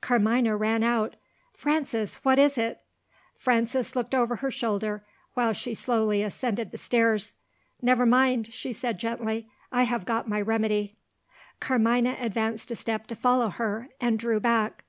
Carmina ran out: "Frances! what is it?" Frances looked over her shoulder, while she slowly ascended the stairs. "Never mind!" she said gently. "I have got my remedy." Carmina advanced a step to follow her, and drew back.